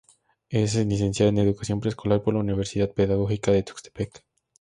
Es licenciada en Educación Preescolar por la Universidad Pedagógica de Tuxtepec.